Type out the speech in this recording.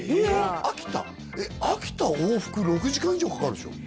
秋田往復６時間以上かかるでしょ？